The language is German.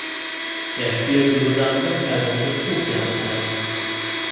Er spielte sodann das Album "Dystopia" mit ein.